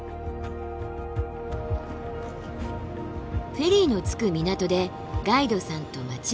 フェリーの着く港でガイドさんと待ち合わせ。